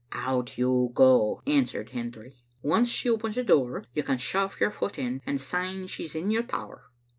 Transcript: "Out you go," answered Hendry. "Once she opens the door, you can shove your foot in, and syne she's in your power."